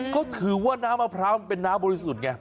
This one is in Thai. เขาถือว่าน้ำมะพร้าวมันเป็นน้ำบริสุทธิ์ไง